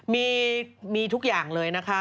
มีทุกอย่างเลยนะคะ